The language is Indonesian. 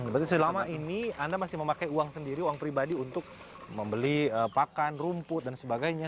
berarti selama ini anda masih memakai uang sendiri uang pribadi untuk membeli pakan rumput dan sebagainya